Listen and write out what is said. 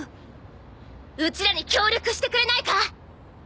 ウチらに協力してくれないか？